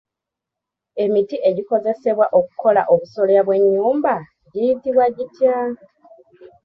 Emiti egikozesebwa okukola obusolya bw'enyumba giyitibwa gitya?